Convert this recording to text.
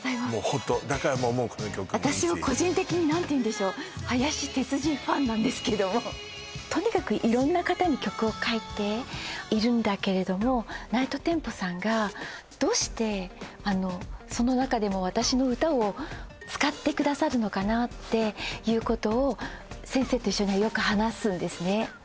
ホントだから桃子の曲もいいし私も個人的に何ていうんでしょう林哲司ファンなんですけどもとにかく色んな方に曲を書いているんだけれどもＮｉｇｈｔＴｅｍｐｏさんがどうしてその中でも私の歌を使ってくださるのかなっていうことを先生と一緒によく話すんですね